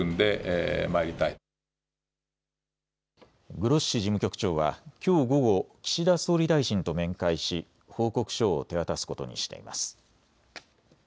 グロッシ事務局長はきょう午後、岸田総理大臣と面会し報告書を手渡すことにしています。